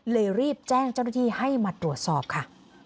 รีบแจ้งเจ้าหน้าที่ให้มาตรวจสอบค่ะ